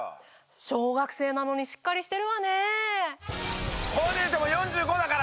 小学生なのにしっかりしてるわね。